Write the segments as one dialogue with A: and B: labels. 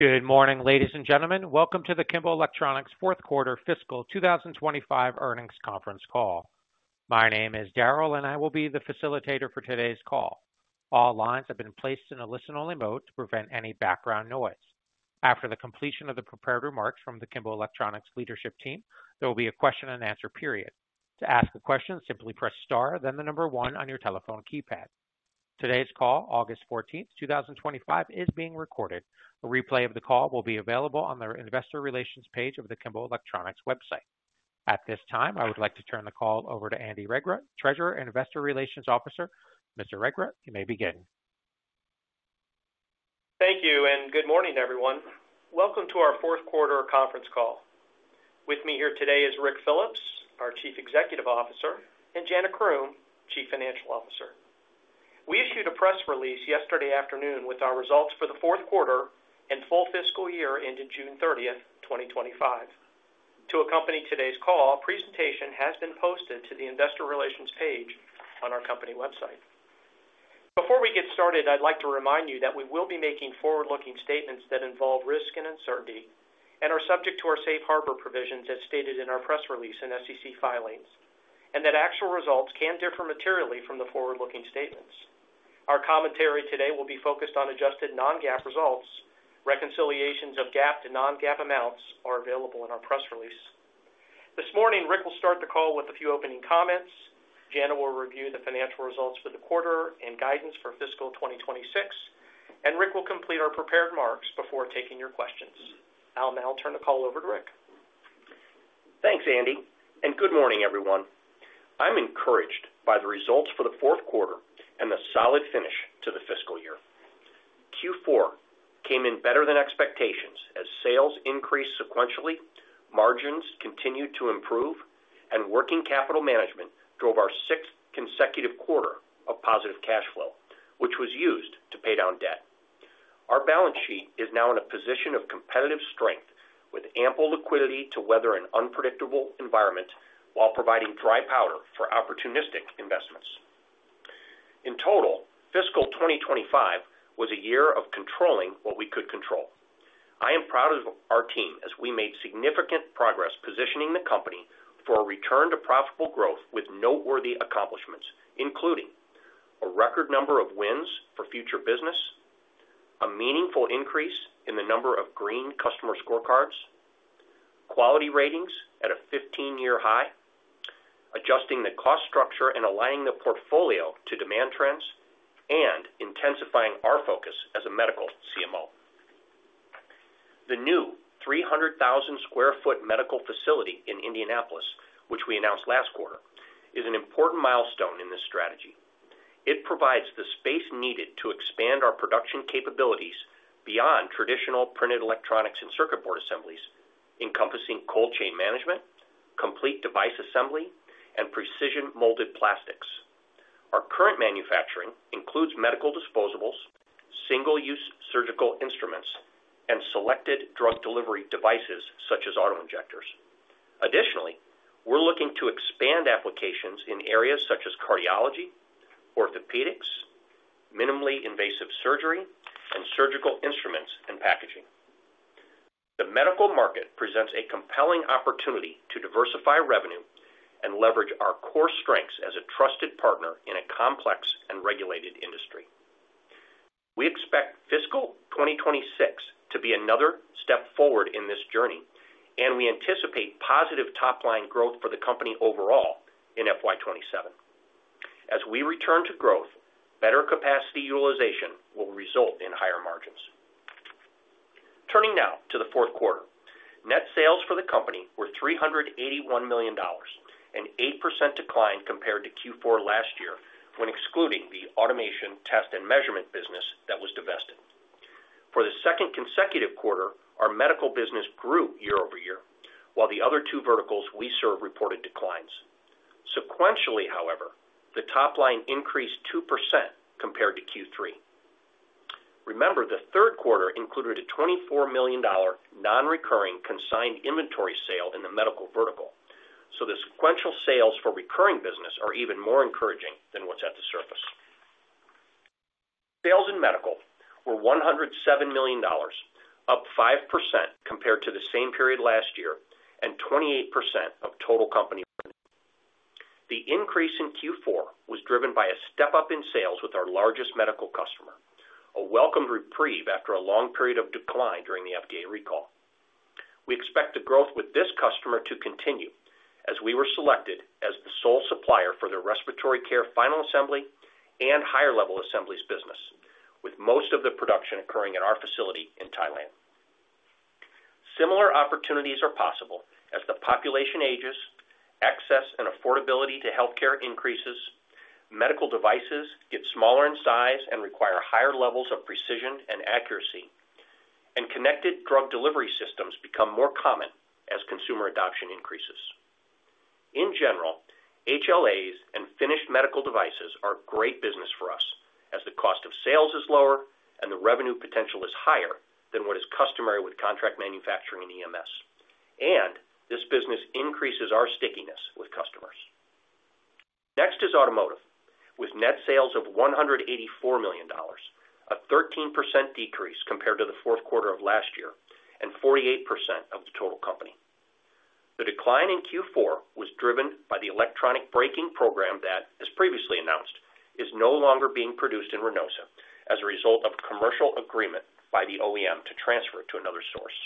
A: Good morning, ladies and gentlemen. Welcome to the Kimball Electronics Fourth Quarter Fiscal 2025 Earnings Conference Call. My name is Darrell, and I will be the facilitator for today's call. All lines have been placed in a listen-only mode to prevent any background noise. After the completion of the prepared remarks from the Kimball Electronics leadership team, there will be a question and answer period. To ask a question, simply press star, then the number one on your telephone keypad. Today's call, August 14, 2025, is being recorded. A replay of the call will be available on the Investor Relations page of the Kimball Electronics website. At this time, I would like to turn the call over to Andy Regrut, Treasurer and Investor Relations Officer. Mr. Regrut, you may begin.
B: Thank you, and good morning, everyone. Welcome to our Fourth Quarter Conference Call. With me here today is Ric Phillips, our Chief Executive Officer, and Jana Croom, Chief Financial Officer. We issued a press release yesterday afternoon with our results for the fourth quarter, and the full fiscal year ended June 30, 2025. To accompany today's call, a presentation has been posted to the Investor Relations page on our company website. Before we get started, I'd like to remind you that we will be making forward-looking statements that involve risk and uncertainty and are subject to our safe harbor provisions as stated in our press release and SEC filings, and that actual results can differ materially from the forward-looking statements. Our commentary today will be focused on adjusted non-GAAP results. Reconciliations of GAAP to non-GAAP amounts are available in our press release. This morning, Ric will start the call with a few opening comments. Jana will review the financial results for the quarter and guidance for fiscal 2026, and Ric will complete our prepared remarks before taking your questions. I'll now turn the call over to Ric.
C: Thanks, Andy, and good morning, everyone. I'm encouraged by the results for the fourth quarter and the solid finish to the fiscal year. Q4 came in better than expectations as sales increased sequentially, margins continued to improve, and working capital management drove our sixth consecutive quarter of positive cash flow, which was used to pay down debt. Our balance sheet is now in a position of competitive strength, with ample liquidity to weather an unpredictable environment while providing dry powder for opportunistic investments. In total, fiscal 2025 was a year of controlling what we could control. I am proud of our team as we made significant progress positioning the company for a return to profitable growth with noteworthy accomplishments, including a record number of wins for future business, a meaningful increase in the number of green customer scorecards, quality ratings at a 15-year high, adjusting the cost structure and aligning the portfolio to demand trends, and intensifying our focus as a medical CMO. The new 300,000 sq ft medical facility in Indianapolis, which we announced last quarter, is an important milestone in this strategy. It provides the space needed to expand our production capabilities beyond traditional printed electronics and circuit board assemblies, encompassing cold chain management, complete device assembly, and precision molded plastics. Our current manufacturing includes medical disposables, single-use surgical instruments, and selected drug delivery devices such as autoinjectors. Additionally, we're looking to expand applications in areas such as cardiology, orthopedics, minimally invasive surgery, and surgical instruments and packaging. The medical market presents a compelling opportunity to diversify revenue and leverage our core strengths as a trusted partner in a complex and regulated industry. We expect fiscal 2026 to be another step forward in this journey, and we anticipate positive top-line growth for the company overall in FY 2027. As we return to growth, better capacity utilization will result in higher margins. Turning now to the fourth quarter, net sales for the company were $381 million, an 8% decline compared to Q4 last year when excluding the Automation, Test & Measurement business that was divested. For the second consecutive quarter, our Medical business grew year-over-year, while the other two verticals we serve reported declines. Sequentially, however, the top line increased 2% compared to Q3. Remember, the third quarter included a $24 million non-recurring consigned inventory sale in the Medical vertical, so the sequential sales for recurring business are even more encouraging than what's at the surface. Sales in Medical were $107 million, up 5% compared to the same period last year, and 28% of total company. The increase in Q4 was driven by a step-up in sales with our largest Medical customer, a welcome reprieve after a long period of decline during the FDA recall. We expect the growth with this customer to continue as we were selected as the sole supplier for the respiratory care final assembly and high-level sssemblies business, with most of the production occurring at our facility in Thailand. Similar opportunities are possible as the population ages, access and affordability to healthcare increases, medical devices get smaller in size and require higher levels of precision and accuracy, and connected drug delivery systems become more common as consumer adoption increases. In general, HLA and finished medical devices are great business for us as the cost of sales is lower and the revenue potential is higher than what is customary with contract manufacturing and EMS. This business increases our stickiness with customers. Next is Automotive, with net sales of $184 million, a 13% decrease compared to the fourth quarter of last year, and 48% of the total company. The decline in Q4 was driven by the electronic braking program that, as previously announced, is no longer being produced in Reynosa as a result of a commercial agreement by the OEM to transfer it to another source.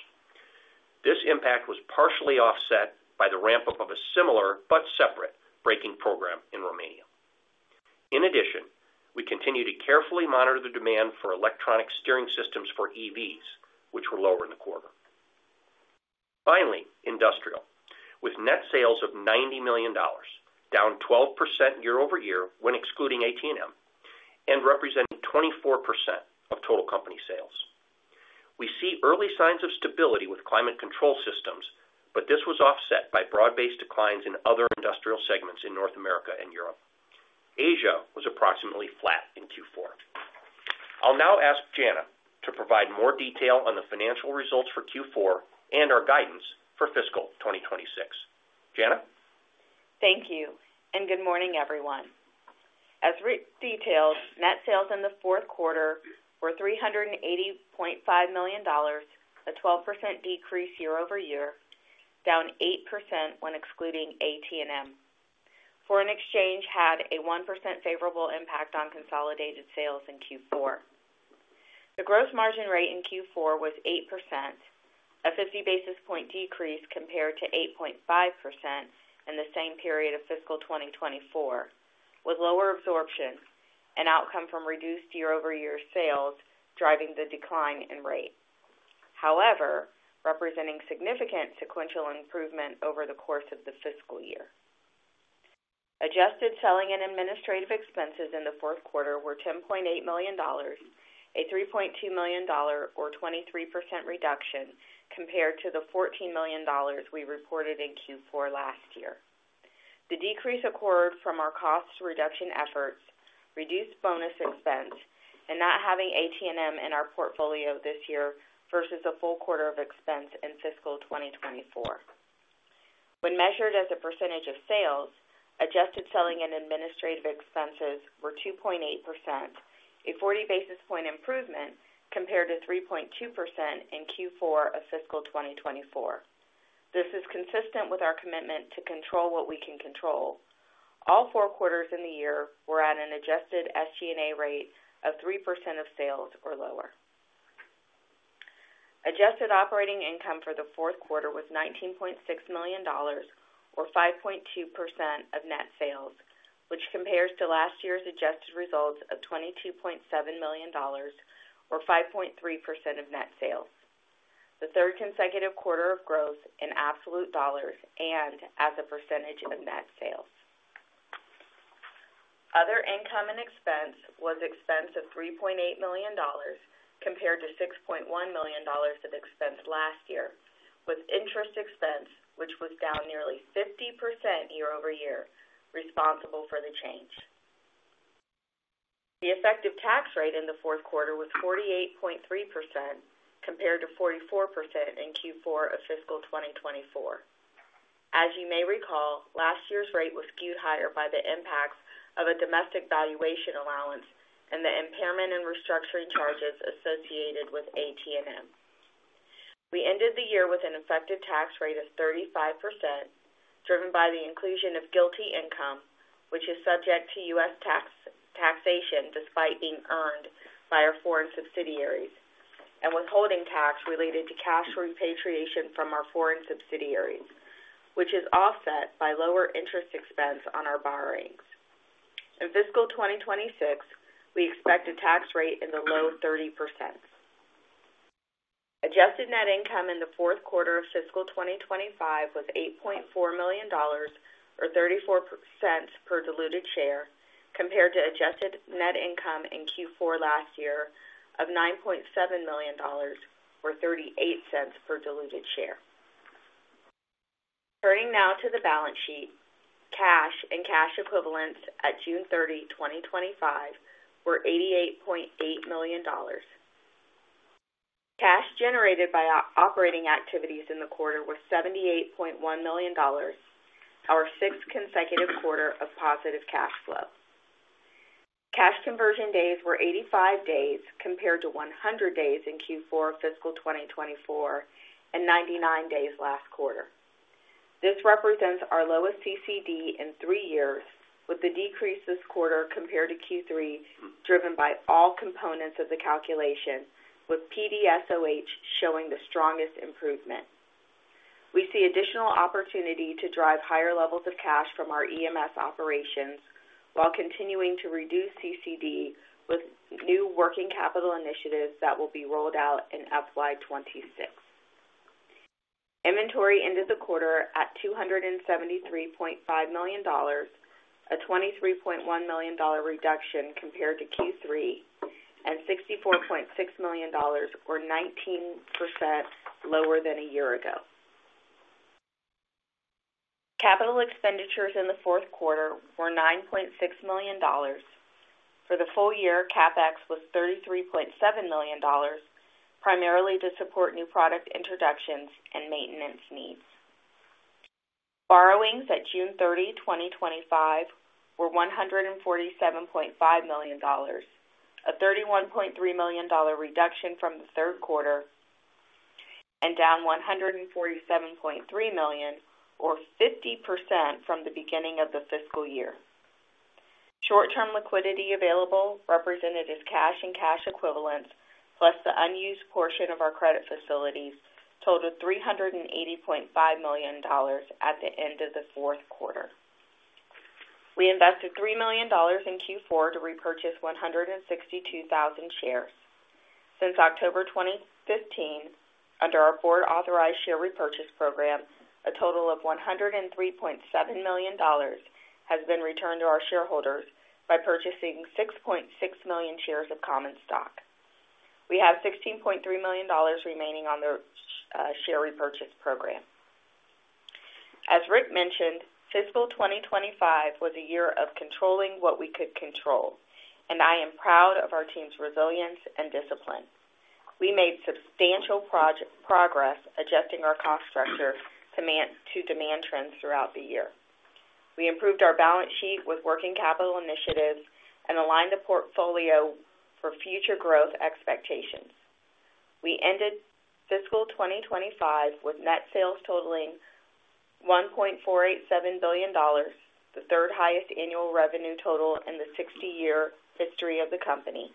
C: This impact was partially offset by the ramp-up of a similar but separate braking program in Romania. In addition, we continue to carefully monitor the demand for electronic steering systems for EVs, which were lower in the quarter. Finally, Industrial, with net sales of $90 million, down 12% year-over-year when excluding AT&M, and representing 24% of total company sales. We see early signs of stability with climate control systems, but this was offset by broad-based declines in other industrial segments in North America and Europe. Asia was approximately flat in Q4. I'll now ask Jana to provide more detail on the financial results for Q4 and our guidance for fiscal 2026. Jana?
D: Thank you, and good morning, everyone. As Ric detailed, net sales in the fourth quarter were $380.5 million, a 12% decrease year over year, down 8% when excluding AT&M. Foreign exchange had a 1% favorable impact on consolidated sales in Q4. The gross margin rate in Q4 was 8%, a 50 basis point decrease compared to 8.5% in the same period of fiscal 2024, with lower absorption and outcome from reduced year-over-year sales driving the decline in rate. However, representing significant sequential improvement over the course of the fiscal year. Adjusted selling and administrative expenses in the fourth quarter were $10.8 million, a $3.2 million or 23% reduction compared to the $14 million we reported in Q4 last year. The decrease occurred from our cost reduction efforts, reduced bonus expense, and not having AT&M in our portfolio this year versus a full quarter of expense in fiscal 2024. When measured as a percentage of sales, adjusted selling and administrative expenses were 2.8%, a 40 basis point improvement compared to 3.2% in Q4 of fiscal 2024. This is consistent with our commitment to control what we can control. All four quarters in the year were at an adjusted SG&A rate of 3% of sales or lower. Adjusted operating income for the fourth quarter was $19.6 million or 5.2% of net sales, which compares to last year's adjusted results of $22.7 million or 5.3% of net sales. The third consecutive quarter of growth in absolute dollars and as a percentage of net sales. Other income and expense was expense of $3.8 million compared to $6.1 million of expense last year, with interest expense, which was down nearly 50% year-over-year, responsible for the change. The effective tax rate in the fourth quarter was 48.3% compared to 44% in Q4 of fiscal 2024. As you may recall, last year's rate was skewed higher by the impacts of a domestic valuation allowance and the impairment and restructuring charges associated with AT&M. We ended the year with an effective tax rate of 35%, driven by the inclusion of GILTI income, which is subject to U.S. taxation despite being earned by our foreign subsidiaries, and withholding tax related to cash repatriation from our foreign subsidiaries, which is offset by lower interest expense on our borrowings. In fiscal 2026, we expect a tax rate in the low 30%. Adjusted net income in the fourth quarter of fiscal 2025 was $8.4 million or $0.34 per diluted share, compared to adjusted net income in Q4 last year of $9.7 million or $0.38 per diluted share. Turning now to the balance sheet, cash and cash equivalents at June 30, 2025, were $88.8 million. Cash generated by operating activities in the quarter was $78.1 million, our sixth consecutive quarter of positive cash flow. Cash conversion days were 85 days compared to 100 days in Q4 of fiscal 2024 and 99 days last quarter. This represents our lowest CCD in three years, with the decrease this quarter compared to Q3 driven by all components of the calculation, with PDSOH showing the strongest improvement. We see additional opportunity to drive higher levels of cash from our EMS operations while continuing to reduce CCD with new working capital initiatives that will be rolled out in FY 2026. Inventory ended the quarter at $273.5 million, a $23.1 million reduction compared to Q3, and $64.6 million, or 19% lower than a year ago. Capital expenditures in the fourth quarter were $9.6 million. For the full year, CapEx was $33.7 million, primarily to support new product introductions and maintenance needs. Borrowings at June 30, 2025, were $147.5 million, a $31.3 million reduction from the third quarter, and down $147.3 million, or 50% from the beginning of the fiscal year. Short-term liquidity available represented as cash and cash equivalents, plus the unused portion of our credit facilities, totaled $380.5 million at the end of the fourth quarter. We invested $3 million in Q4 to repurchase 162,000 shares. Since October 2015, under our Board Authorized Share Repurchase Program, a total of $103.7 million has been returned to our shareholders by purchasing 6.6 million shares of common stock. We have $16.3 million remaining on the share repurchase program. As Ric mentioned, fiscal 2025 was a year of controlling what we could control, and I am proud of our team's resilience and discipline. We made substantial progress adjusting our cost structure to demand trends throughout the year. We improved our balance sheet with working capital initiatives and aligned the portfolio for future growth expectations. We ended fiscal 2025 with net sales totaling $1.487 billion, the third highest annual revenue total in the 60-year history of the company.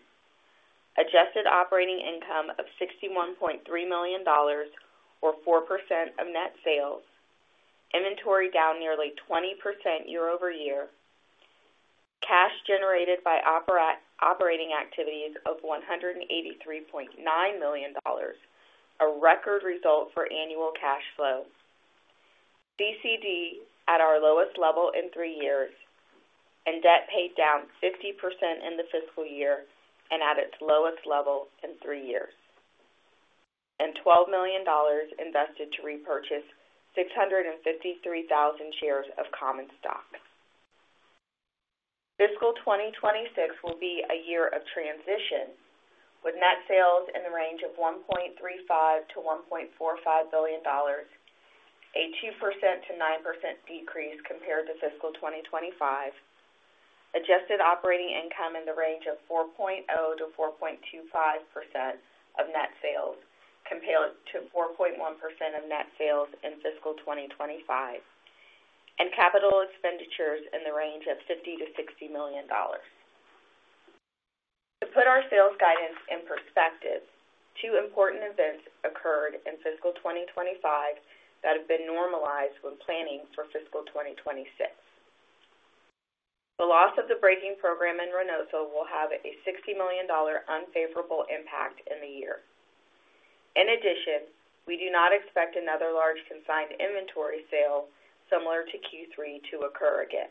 D: Adjusted operating income of $61.3 million, or 4% of net sales, inventory down nearly 20% year-over-year, cash generated by operating activities of $183.9 million, a record result for annual cash flows. CCD at our lowest level in three years, and debt paid down 50% in the fiscal year and at its lowest level in three years. $12 million invested to repurchase 653,000 shares of common stock. Fiscal 2026 will be a year of transition, with net sales in the range of $1.35 billion-$1.45 billion, a 2%-9% decrease compared to fiscal 2025, adjusted operating income in the range of 4.0%-4.25% of net sales, compared to 4.1% of net sales in fiscal 2025, and capital expenditures in the range of $50 million-$60 million. To put our sales guidance in perspective, two important events occurred in fiscal 2025 that have been normalized when planning for fiscal 2026. The loss of the braking program in Reynosa will have a $60 million unfavorable impact in the year. In addition, we do not expect another large consigned inventory sale similar to Q3 to occur again.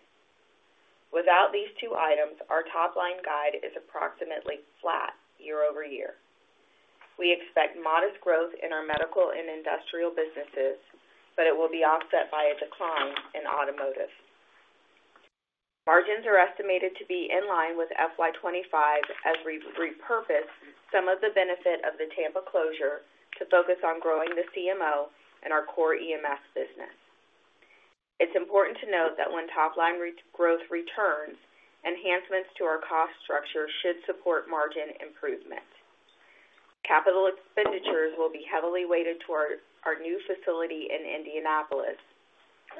D: Without these two items, our top line guide is approximately flat year-over-year. We expect modest growth in our medical and industrial businesses, but it will be offset by a decline in automotive. Margins are estimated to be in line with FY25 as we repurpose some of the benefit of the Tampa closure to focus on growing the CMO and our core EMS business. It's important to note that when top line growth returns, enhancements to our cost structure should support margin improvements. Capital expenditures will be heavily weighted towards our new facility in Indianapolis,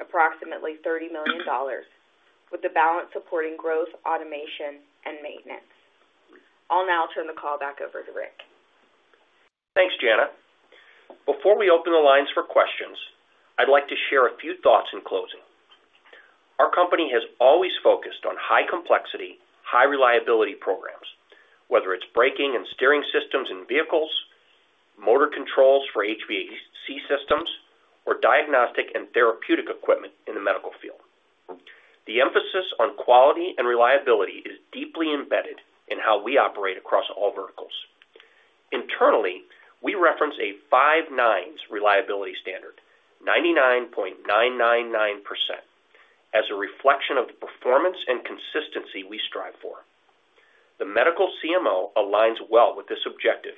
D: approximately $30 million, with the balance supporting growth, automation, and maintenance. I'll now turn the call back over to Ric.
C: Thanks, Jana. Before we open the lines for questions, I'd like to share a few thoughts in closing. Our company has always focused on high complexity, high reliability programs, whether it's braking and steering systems in vehicles, motor controls for HVAC systems, or diagnostic and therapeutic equipment in the medical field. The emphasis on quality and reliability is deeply embedded in how we operate across all verticals. Internally, we reference a five 9s reliability standard, 99.999%, as a reflection of the performance and consistency we strive for. The medical CMO aligns well with this objective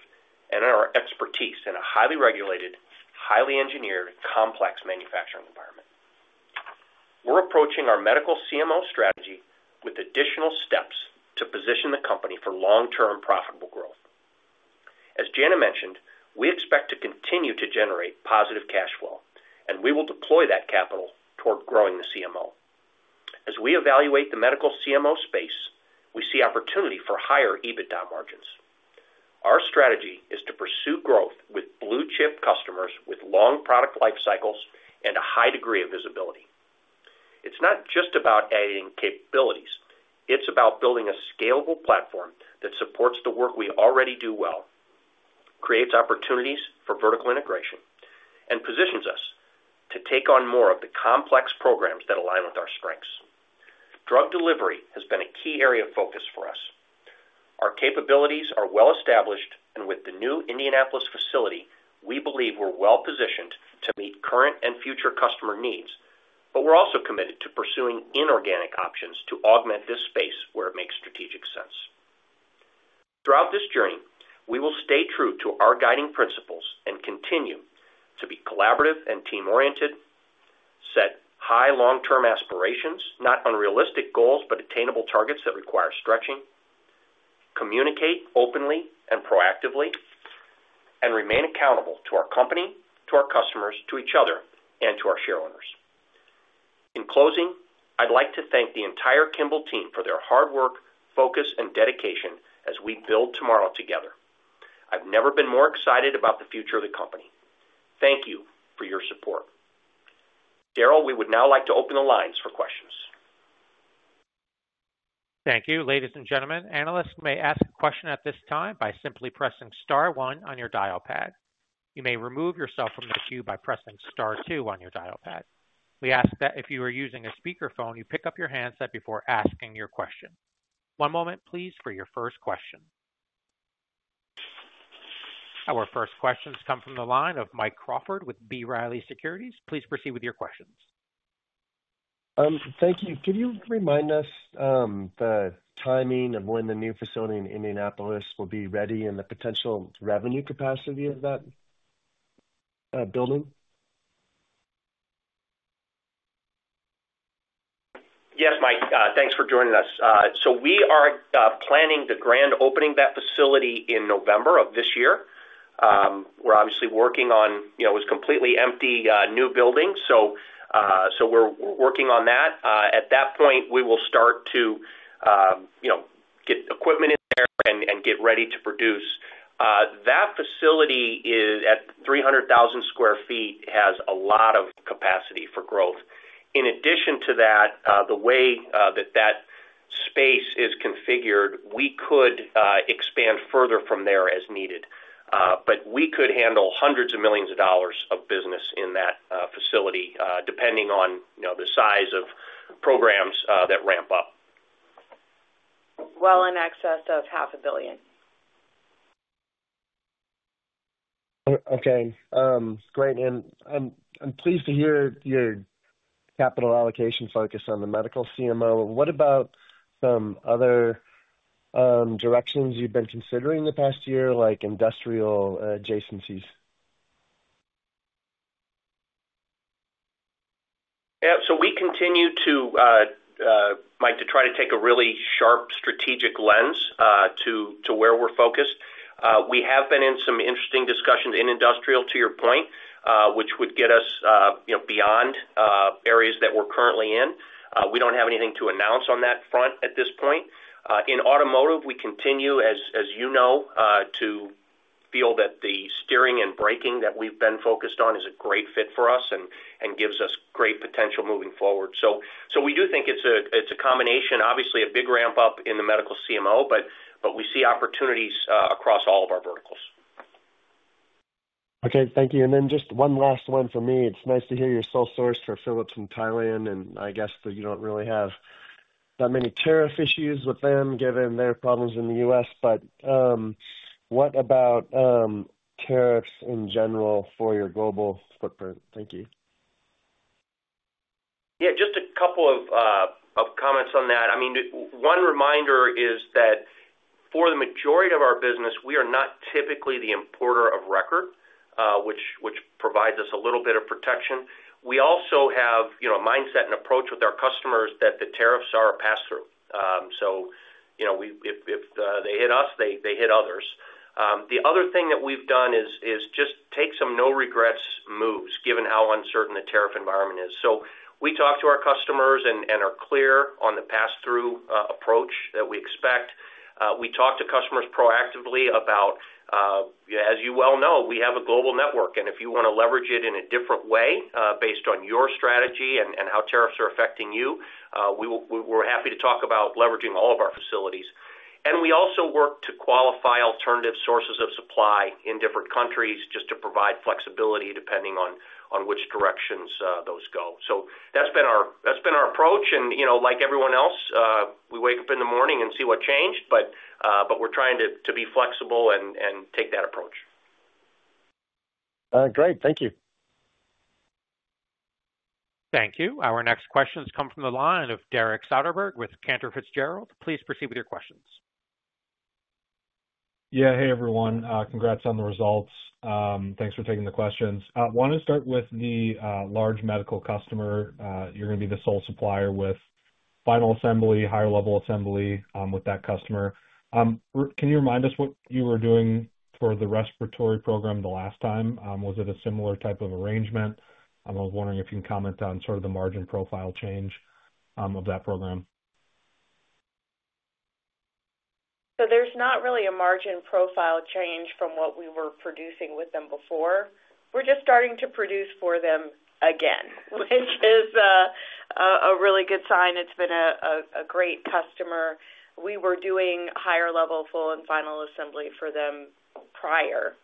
C: and our expertise in a highly regulated, highly engineered, complex manufacturing environment. We're approaching our medical CMO strategy with additional steps to position the company for long-term profitable growth. As Jana mentioned, we expect to continue to generate positive cash flow, and we will deploy that capital toward growing the CMO. As we evaluate the medical CMO space, we see opportunity for higher EBITDA margins. Our strategy is to pursue growth with blue-chip customers with long product life cycles and a high degree of visibility. It's not just about adding capabilities. It's about building a scalable platform that supports the work we already do well, creates opportunities for vertical integration, and positions us to take on more of the complex programs that align with our strengths. Drug delivery has been a key area of focus for us. Our capabilities are well established, and with the new Indianapolis facility, we believe we're well positioned to meet current and future customer needs, but we're also committed to pursuing inorganic options to augment this space where it makes strategic sense. Throughout this journey, we will stay true to our guiding principles and continue to be collaborative and team-oriented, set high long-term aspirations, not unrealistic goals, but attainable targets that require stretching, communicate openly and proactively, and remain accountable to our company, to our customers, to each other, and to our shareholders. In closing, I'd like to thank the entire Kimball team for their hard work, focus, and dedication as we build tomorrow together. I've never been more excited about the future of the company. Thank you for your support. Darrell, we would now like to open the lines for questions.
A: Thank you, ladies and gentlemen. Analysts may ask a question at this time by simply pressing star one on your dial pad. You may remove yourself from the queue by pressing star two on your dial pad. We ask that if you are using a speakerphone, you pick up your handset before asking your question. One moment, please, for your first question. Our first questions come from the line of Mike Crawford with B. Riley Securities. Please proceed with your questions.
E: Thank you. Could you remind us, the timing of when the new facility in Indianapolis will be ready, and the potential revenue capacity of that building?
C: Yes, Mike. Thanks for joining us. We are planning the grand opening of that facility in November of this year. We're obviously working on, you know, it was completely empty, new building. We're working on that. At that point, we will start to, you know, get equipment in there and get ready to produce. That facility is at 300,000 sq ft, has a lot of capacity for growth. In addition to that, the way that space is configured, we could expand further from there as needed. We couWd handle hundreds of millions of dollars of business in that facility, depending on, you know, the size of programs that ramp up.
D: While in excess of $500 million.
E: Okay, great. I'm pleased to hear your capital allocation focus on the medical CMO. What about some other directions you've been considering the past year, like industrial adjacencies?
C: Yeah. We continue, Mike, to try to take a really sharp strategic lens to where we're focused. We have been in some interesting discussions in industrial, to your point, which would get us beyond areas that we're currently in. We don't have anything to announce on that front at this point. In automotive, we continue, as you know, to feel that the steering and braking that we've been focused on is a great fit for us and gives us great potential moving forward. We do think it's a combination, obviously, a big ramp-up in the medical CMO, but we see opportunities across all of our verticals.
E: Okay. Thank you. Just one last one from me. It's nice to hear you're sole source for Phillips in Thailand, and I guess that you don't really have that many tariff issues with them given their problems in the U.S. What about tariffs in general for your global footprint? Thank you.
C: Yeah, just a couple of comments on that. One reminder is that for the majority of our business, we are not typically the importer of record, which provides us a little bit of protection. We also have a mindset and approach with our customers that the tariffs are a pass-through. If they hit us, they hit others. The other thing that we've done is just take some no-regrets moves given how uncertain the tariff environment is. We talk to our customers and are clear on the pass-through approach that we expect. We talk to customers proactively about, as you well know, we have a global network. If you want to leverage it in a different way, based on your strategy and how tariffs are affecting you, we're happy to talk about leveraging all of our facilities. We also work to qualify alternative sources of supply in different countries just to provide flexibility depending on which directions those go. That's been our approach. Like everyone else, we wake up in the morning and see what changed. We're trying to be flexible and take that approach.
E: Great, thank you.
A: Thank you. Our next questions come from the line of Derek Soderberg with Cantor Fitzgerald. Please proceed with your questions.
F: Yeah. Hey, everyone. Congrats on the results. Thanks for taking the questions. I want to start with the large Medical customer. You're going to be the sole supplier with final assembly, higher-level assembly, with that customer. Can you remind us what you were doing for the respiratory program the last time? Was it a similar type of arrangement? I was wondering if you can comment on sort of the margin profile change of that program.
D: There is not really a margin profile change from what we were producing with them before. We are just starting to produce for them again, which is a really good sign. It has been a great customer. We were doing high-level full and final assembly for them prior,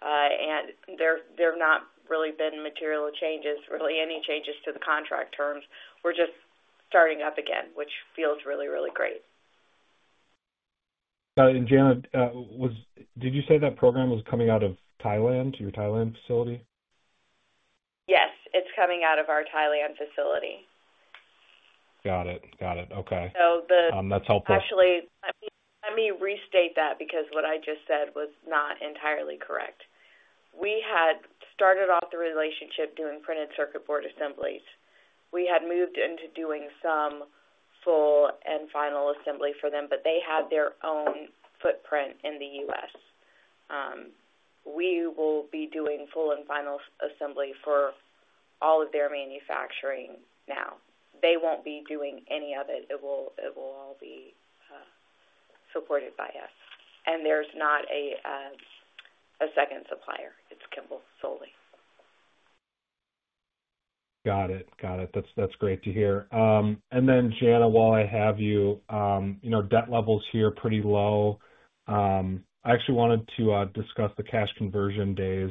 D: and there have not really been material changes, really any changes to the contract terms. We are just starting up again, which feels really, really great.
F: Jana, did you say that program was coming out of Thailand, your Thailand facility?
D: Yes, it's coming out of our Thailand facility.
F: Got it. Okay.
D: So the.
F: That's helpful.
D: Let me restate that because what I just said was not entirely correct. We had started off the relationship doing printed circuit board assemblies. We had moved into doing some full and final assembly for them, but they had their own footprint in the U.S. We will be doing full and final assembly for all of their manufacturing now. They won't be doing any of it. It will all be supported by us. There is not a second supplier. It's Kimball solely.
F: Got it. That's great to hear. Jana, while I have you, debt levels here are pretty low. I actually wanted to discuss the cash conversion days,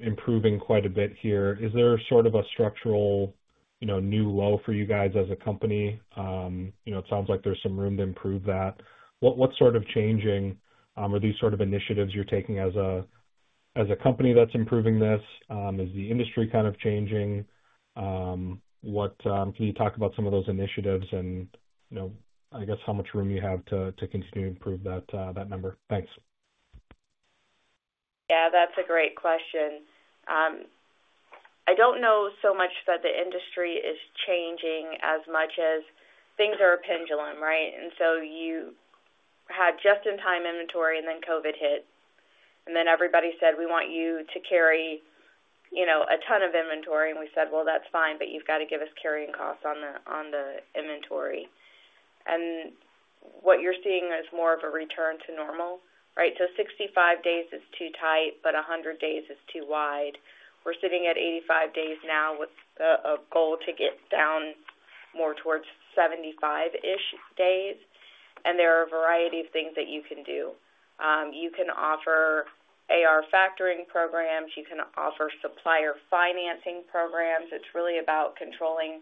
F: improving quite a bit here. Is there sort of a structural new low for you guys as a company? It sounds like there's some room to improve that. What is changing? Are these initiatives you're taking as a company that's improving this? Is the industry kind of changing? Can you talk about some of those initiatives and how much room you have to continue to improve that number? Thanks.
D: Yeah, that's a great question. I don't know so much that the industry is changing as much as things are a pendulum, right? You had just-in-time inventory, and then COVID hit. Then everybody said, "We want you to carry, you know, a ton of inventory." We said, "That's fine, but you've got to give us carrying costs on the inventory." What you're seeing is more of a return to normal, right? 65 days is too tight, but 100 days is too wide. We're sitting at 85 days now with a goal to get down more towards 75-ish days. There are a variety of things that you can do. You can offer AR factoring programs. You can offer supplier financing programs. It's really about controlling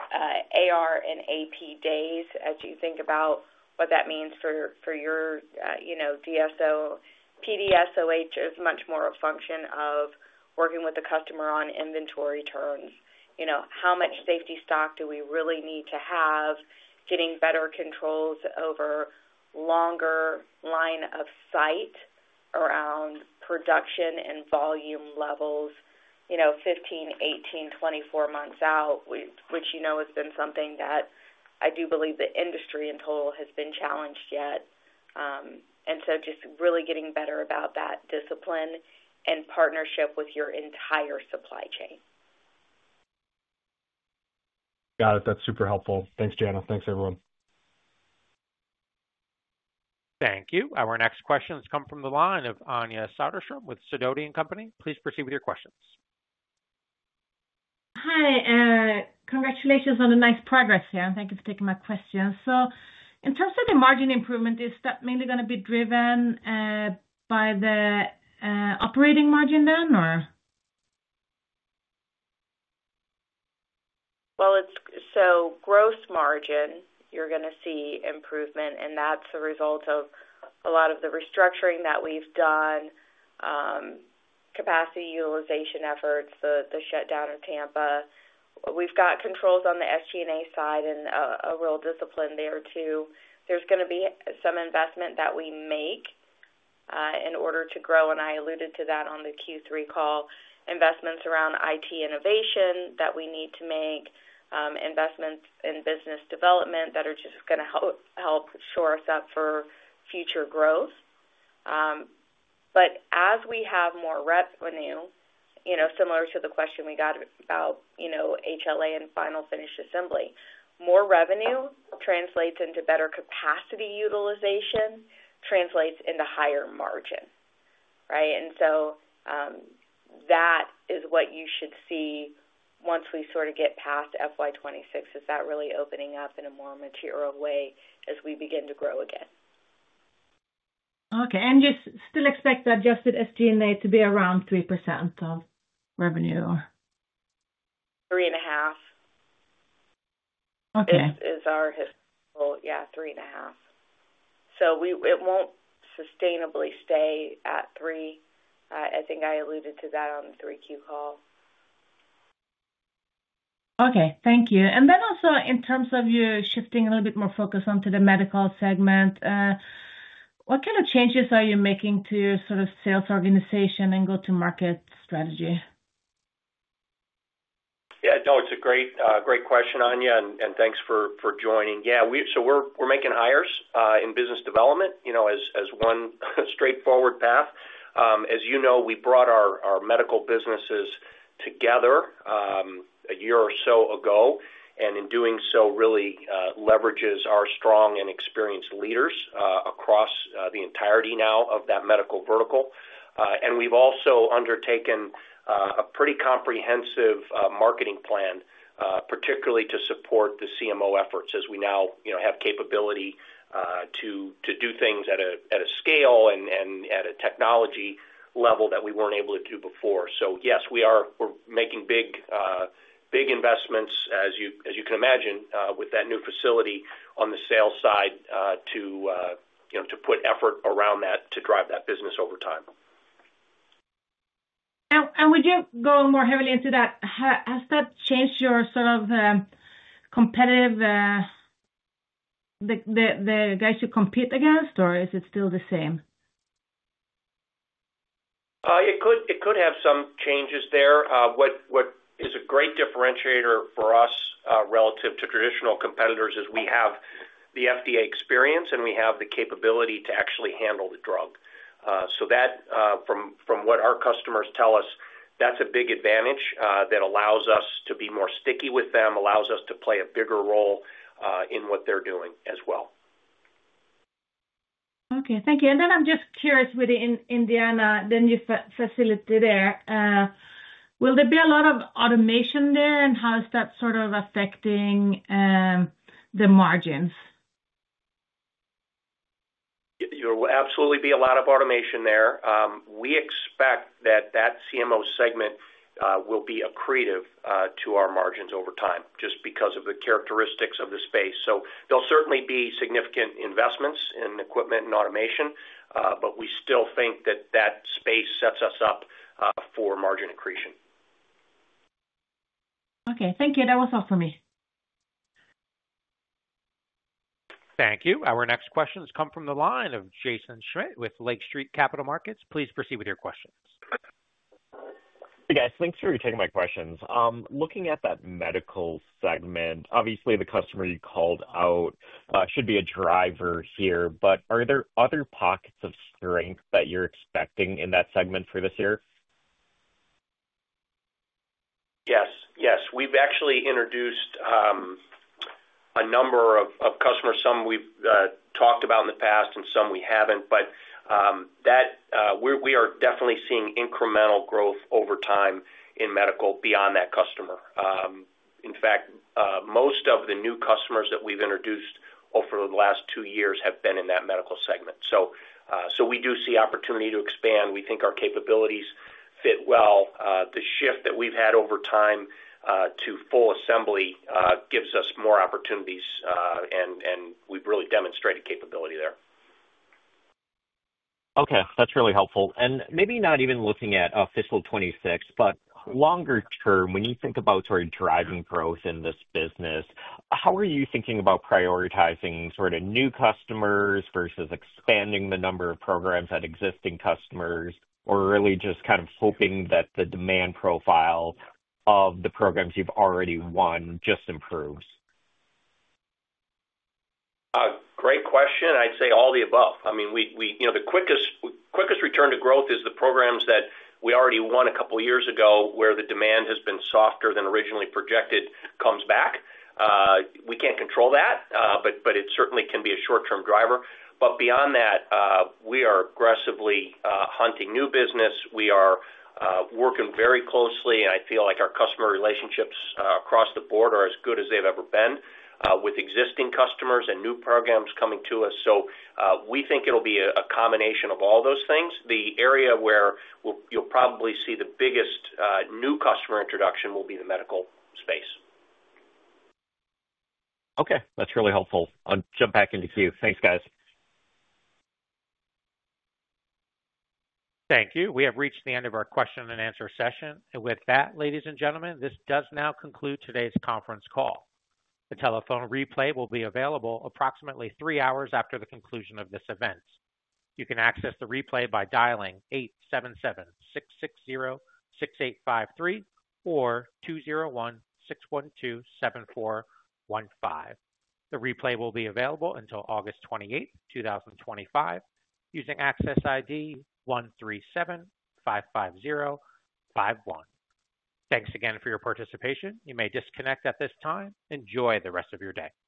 D: AR and AP days as you think about what that means for your, you know, DSO. PDSOH is much more a function of working with the customer on inventory terms. You know, how much safety stock do we really need to have? Getting better controls over a longer line of sight around production and volume levels, you know, 15 months, 18 months, 24 months out, which has been something that I do believe the industry in total has been challenged yet. Just really getting better about that discipline and partnership with your entire supply chain.
E: Got it. That's super helpful. Thanks, Jana. Thanks, everyone.
A: Thank you. Our next questions come from the line of Anja Soderstrom with Sidoti & Company. Please proceed with your questions.
G: Hi, congratulations on the nice progress here, and thank you for taking my question. In terms of the margin improvement, is that mainly going to be driven by the operating margin then, or?
D: Gross margin, you're going to see improvement, and that's a result of a lot of the restructuring that we've done, capacity utilization efforts, the shutdown of Tampa. We've got controls on the SG&A side and a real discipline there too. There's going to be some investment that we make in order to grow, and I alluded to that on the Q3 call, investments around IT innovation that we need to make, investments in business development that are just going to help shore us up for future growth. As we have more revenue, you know, similar to the question we got about, you know, high-level assemblies and final finished assembly, more revenue translates into better capacity utilization, translates into higher margin, right? That is what you should see once we sort of get past FY 2026. Is that really opening up in a more material way as we begin to grow again?
G: Okay. You still expect the adjusted SG&A to be around 3% of revenue, or?
D: 3.5%.
G: Okay.
D: Our historical, yeah, 3.5%. It won't sustainably stay at three. I think I alluded to that on the 3Q call.
G: Thank you. In terms of you shifting a little bit more focus onto the medical segment, what kind of changes are you making to your sort of sales organization and go-to-market strategy?
C: Yeah, no, it's a great, great question, Anja, and thanks for joining. Yeah, we're making hires in business development, you know, as one straightforward path. As you know, we brought our medical businesses together a year or so ago, and in doing so, really leverages our strong and experienced leaders across the entirety now of that medical vertical. We've also undertaken a pretty comprehensive marketing plan, particularly to support the CMO efforts as we now, you know, have capability to do things at a scale and at a technology level that we weren't able to do before. Yes, we are making big, big investments, as you can imagine, with that new facility on the sales side, to, you know, to put effort around that to drive that business over time.
G: Would you go more heavily into that? Has that changed your sort of competitive, the guys you compete against, or is it still the same?
C: It could have some changes there. What is a great differentiator for us, relative to traditional competitors, is we have the FDA experience and we have the capability to actually handle the drug. From what our customers tell us, that's a big advantage that allows us to be more sticky with them and allows us to play a bigger role in what they're doing as well.
G: Okay. Thank you. I'm just curious, within Indiana, the new facility there, will there be a lot of automation there, and how is that sort of affecting the margins?
C: Yeah, there will absolutely be a lot of automation there. We expect that that CMO segment will be accretive to our margins over time, just because of the characteristics of the space. There will certainly be significant investments in equipment and automation, but we still think that that space sets us up for margin accretion.
G: Okay, thank you. That was all for me.
A: Thank you. Our next questions come from the line of Jaeson Schmidt with Lake Street Capital. Please proceed with your questions.
H: Yes, thanks for taking my questions. Looking at that Medical segment, obviously the customer you called out should be a driver here, but are there other pockets of strength that you're expecting in that segment for this year?
C: Yes. We've actually introduced a number of customers, some we've talked about in the past and some we haven't. We are definitely seeing incremental growth over time in medical beyond that customer. In fact, most of the new customers that we've introduced over the last two years have been in that medical segment. We do see opportunity to expand. We think our capabilities fit well. The shift that we've had over time to full assembly gives us more opportunities, and we've really demonstrated capability there.
H: Okay. That's really helpful. Maybe not even looking at fiscal 2026, but longer term, when you think about sort of driving growth in this business, how are you thinking about prioritizing sort of new customers versus expanding the number of programs at existing customers, or really just kind of hoping that the demand profile of the programs you've already won just improves?
C: Great question. I'd say all the above. The quickest return to growth is the programs that we already won a couple of years ago where the demand has been softer than originally projected comes back. We can't control that, but it certainly can be a short-term driver. Beyond that, we are aggressively hunting new business. We are working very closely, and I feel like our customer relationships across the board are as good as they've ever been with existing customers and new programs coming to us. We think it'll be a combination of all those things. The area where you'll probably see the biggest new customer introduction will be the medical space.
H: Okay, that's really helpful. I'll jump back into queue. Thanks, guys.
A: Thank you. We have reached the end of our question and answer session. With that, ladies and gentlemen, this does now conclude today's conference call. The telephone replay will be available approximately three hours after the conclusion of this event. You can access the replay by dialing eight seven seven six six zero six eight five three or two zero one six one two seven four one five. The replay will be available until August 28, 2025, using access ID 137-550-51. Thanks again for your participation. You may disconnect at this time. Enjoy the rest of your day.